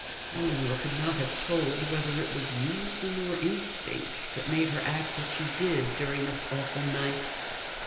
Ellinor could not have told whether it was reason or instinct that made her act as she did during this awful night.